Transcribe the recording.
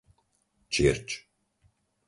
Čirč